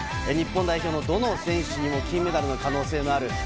日本代表のどの選手にも金メダルの可能性がある。